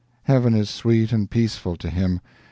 Heaven is sweet and peaceful to him.